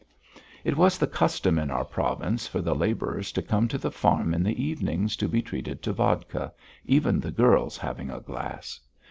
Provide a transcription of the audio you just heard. It was the custom in our province for the labourers to come to the farm in the evenings to be treated to vodka, even the girls having a glass.